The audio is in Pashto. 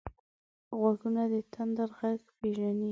غوږونه د تندر غږ پېژني